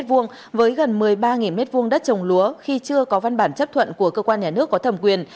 với gần một mươi ba m hai đất trồng lúa khi chưa có văn bản chấp thuận của cơ quan nhà nước có thẩm quyền